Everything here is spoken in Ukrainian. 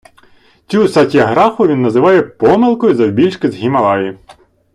Цю Сатьяграху він називає "помилкою завбільшки з Гімалаї".